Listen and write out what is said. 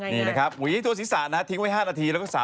นี่นะครับหวีทัวร์สีสระนะทิ้งไว้๕นาทีแล้วก็สระออก